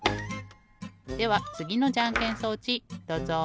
ではつぎのじゃんけん装置どうぞ。